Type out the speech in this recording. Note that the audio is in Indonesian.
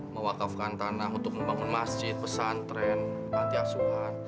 mewakafkan tanah untuk membangun masjid pesantren anti asuhan